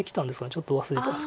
ちょっと忘れて。